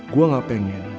gue gak pengen